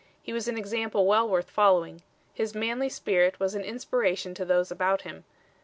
He was an example well worth following. His manly spirit was an inspiration to those about him.